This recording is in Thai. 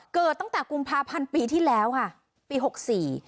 เกิดตั้งแต่กรุงภาพพันธ์ปีที่แล้วค่ะปี๖๔